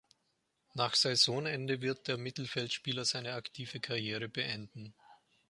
Nach Saisonende wird der Mittelfeldspieler seine aktive Karriere beenden.